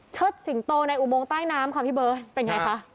สิงโตในอุโมงใต้น้ำค่ะพี่เบิร์ตเป็นไงคะ